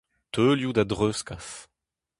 Teulioù da dreuzkas.